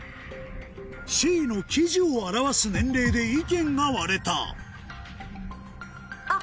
Ｃの喜寿を表す年齢で意見が割れたあ！